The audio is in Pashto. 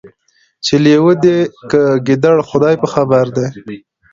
چي لېوه دی که ګیدړ خدای په خبر دی